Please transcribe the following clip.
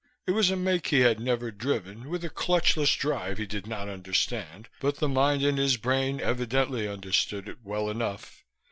It was a make he had never driven, with a clutchless drive he did not understand, but the mind in his brain evidently understood it well enough.